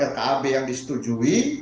rkab yang disetujui